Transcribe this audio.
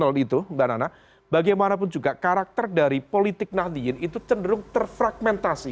nah karena itu mbak nana bagaimanapun juga karakter dari politik nahdien itu cenderung terfragmentasi